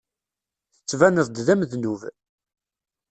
Tettbaneḍ-d d amednub.